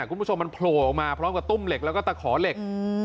คุณผู้ชมมันโผล่ออกมาพร้อมกับตุ้มเหล็กแล้วก็ตะขอเหล็ก